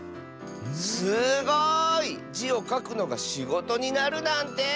すごい！「じ」をかくのがしごとになるなんて！